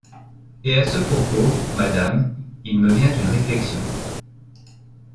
Et à ce propos, madame, il me vient une réflexion.